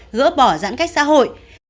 gỡ bỏ giãn cách xã hội